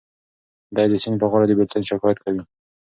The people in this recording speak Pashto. دی د سیند په غاړه د بېلتون شکایت کوي.